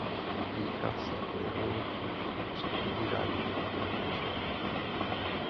Pícha se o jehlu, když jí při odebírání vzorku vyklouzla.